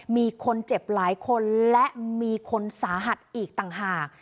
มีคนเจ็บหลายคนและมีคนสาหัสอีกต่างหาก